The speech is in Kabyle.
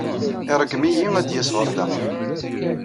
Iṛeggem-iyi ad d-yas ɣer da.